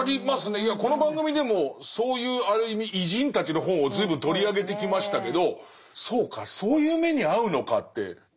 いやこの番組でもそういうある意味偉人たちの本を随分取り上げてきましたけどそうかそういう目に遭うのかって思いますよね。